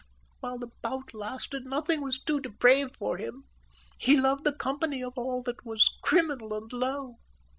While the bout lasted, nothing was too depraved for him. He loved the company of all that was criminal and low.